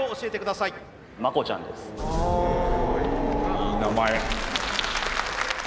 いい名前。